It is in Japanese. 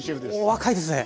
お若いですね。